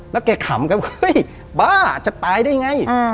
แล้วแกขำกันเฮ้ยบ้าจะตายได้ไง